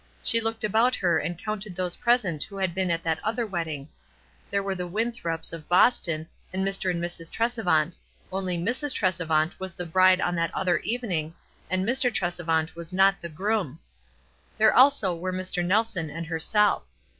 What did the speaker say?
She looked about her and counted those present who had been at that other wed ding. There were the Winthrops, of Boston, and Mr. and Mrs. Tresevant — only Mrs. Tres evant was the bride on that other evening, and Mr. Tresevant was not the groom. There also were Mr. Nelson and herself.